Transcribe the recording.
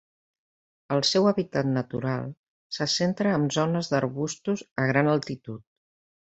El seu hàbitat natural se centra en zones d'arbustos a gran altitud.